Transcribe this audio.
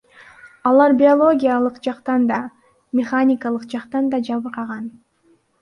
Алар биологиялык жактан да, механикалык жактан да жабыркаган.